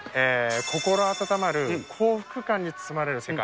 心温まる幸福感に包まれる世界。